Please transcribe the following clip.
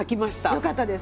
よかったです。